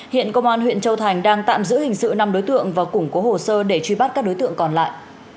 hiện công an huyện châu thành đang tạm giữ hình sự năm đối tượng và củng cố hồ sơ để truy bắt các đối tượng còn lại